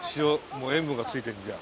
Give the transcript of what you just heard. もう塩分が付いてんじゃん。